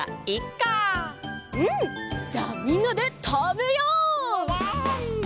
じゃあみんなでたべよう！わわん！